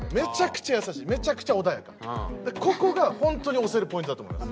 ここが本当に推せるポイントだと思います